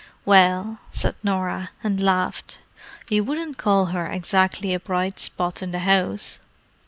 "Well," said Norah, and laughed, "you wouldn't call her exactly a bright spot in the house.